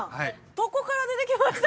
どこから出てきました？